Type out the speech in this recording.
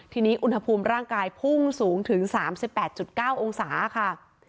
ทีนี้อุณหภูมิร่างกายพุ่งสูงถึง๓๘๙องศาค่ะ